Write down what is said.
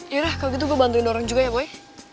yaudah kalau gitu gue bantuin dorong juga ya boy